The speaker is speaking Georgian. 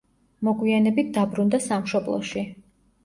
მოგვიანებით დაბრუნდა სამშობლოში.